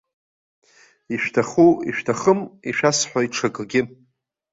Ишәҭаху, ишәҭахым, ишәасҳәоит ҽакгьы.